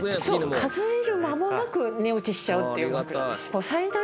数える間もなく寝落ちしちゃうっていう枕です。